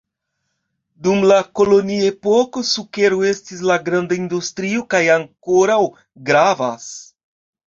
Dum la kolonia epoko, sukero estis la granda industrio kaj ankoraŭ gravas.